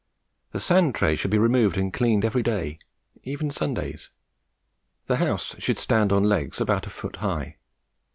The sand tray should be removed and cleaned every day, even Sundays. The house should stand on legs about a foot high.